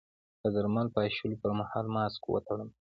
د درمل پاشلو پر مهال ماسک وتړم؟